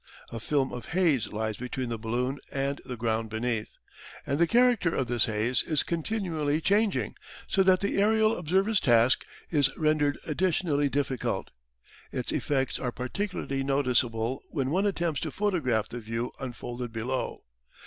A film of haze lies between the balloon and the ground beneath. And the character of this haze is continually changing, so that the aerial observer's task is rendered additionally difficult. Its effects are particularly notice able when one attempts to photograph the view unfolded below.